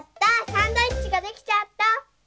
サンドイッチができちゃった。